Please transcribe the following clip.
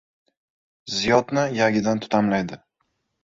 Ziyodni iyagidan tutamlaydi.